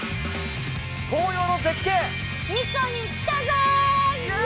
紅葉の絶景。